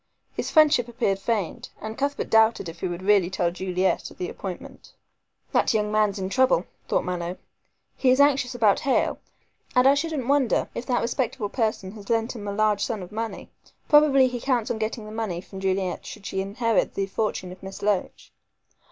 His friendship appeared feigned, and Cuthbert doubted if he would really tell Juliet of the appointment. "That young man's in trouble," thought Mallow, "he is anxious about Hale, and I shouldn't wonder if that respectable person had lent him a large sum of money. Probably he counts on getting the money from Juliet, should she inherit the fortune of Miss Loach.